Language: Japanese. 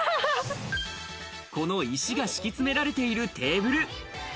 石が敷き詰められているテーブル。